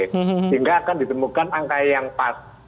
sehingga akan ditemukan angka yang pas